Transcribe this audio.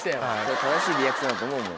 正しいリアクションだと思うもん。